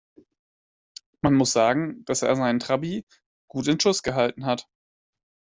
Man muss sagen, dass er seinen Trabi gut in Schuss gehalten hat.